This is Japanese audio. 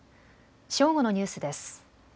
正午のニュースです。